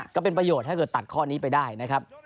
ก็เป็นประโยชน์ถ้าเกิดตัดข้อนี้ไปได้นะครับ